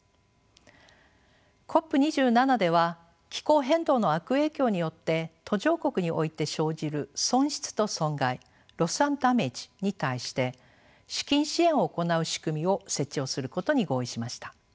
ＣＯＰ２７では気候変動の悪影響によって途上国において生じる損失と損害ｌｏｓｓａｎｄｄａｍａｇｅに対して資金支援を行う仕組みを設置をすることに合意しました。